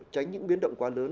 tránh những biến động quá lớn